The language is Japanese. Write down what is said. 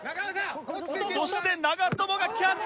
そして長友がキャッチ！